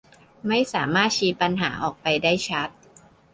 ไม่สามารถชี้ปัญหาออกไปได้ชัด